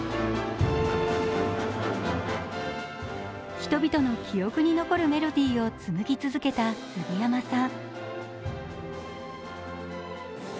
人々の記憶に残るメロディーをつむぎ続けたすぎやまさん。